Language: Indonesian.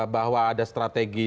bahwa ada strategi